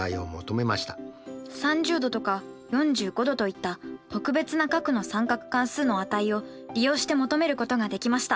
３０°とか４５°といった特別な角の三角関数の値を利用して求めることができました。